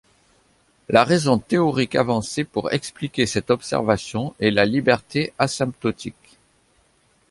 La raison théorique avancée pour expliquer cette observation est la liberté asymptotique.